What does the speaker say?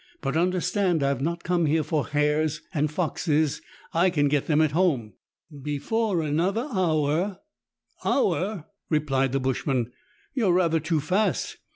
But understand, I have not come here for hares or foxes ; I can get them at home. Before another hour " "Hour!" replied the bushman. "You are rather too fast.